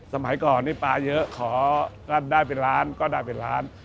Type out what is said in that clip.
สมัยก่อนนี่ปลาเยอะขอก็ได้เป็นล้านก็ได้เป็นล้าน